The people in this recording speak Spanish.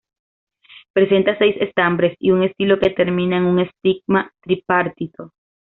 Presenta seis estambres y un estilo que termina en un estigma tri-partito.